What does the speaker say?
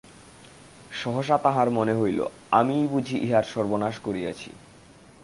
সহসা তাঁহার মনে হইল আমিই বুঝি ইহার সর্বনাশ করিয়াছি।